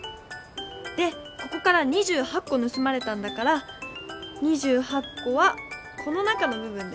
でここから２８こぬすまれたんだから２８こはこの中のぶ分だよね。